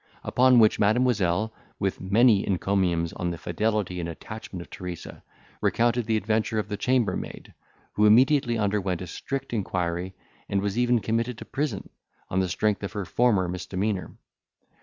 Upon which Mademoiselle, with many encomiums on the fidelity and attachment of Teresa, recounted the adventure of the chambermaid, who immediately underwent a strict inquiry, and was even committed to prison, on the strength of her former misdemeanour.